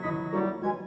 ya ya gak